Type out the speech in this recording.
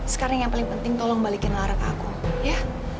sekarang yang paling penting tolong balikin larak aku ya